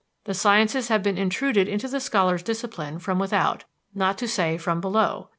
The sciences have been intruded into the scholar's discipline from without, not to say from below.